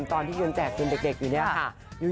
ตอนที่เยือนแจกคุณเด็กอยู่เนี่ยค่ะ